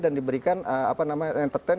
dan diberikan entertain